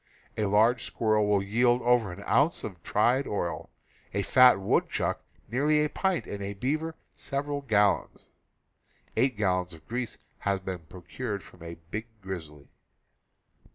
A large squirrel will yield over an ounce of tried oil, a fat woodchuck nearly a pint, and a bear several gal lons — eight gallons of grease have been procured from a big grizzly.